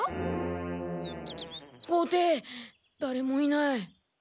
校庭だれもいない。